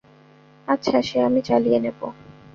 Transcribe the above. আচ্ছা সে আমি চালিয়ে নেব।